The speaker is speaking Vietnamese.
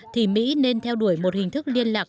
thì mỹ nên theo đuổi một hình thức liên lạc